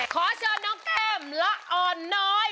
ขอเชิญน้องแก้มละอ่อนน้อย